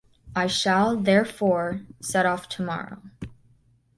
I shall, therefore, set off tomorrow.